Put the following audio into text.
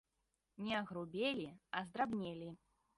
Не агрубелі, а здрабнелі!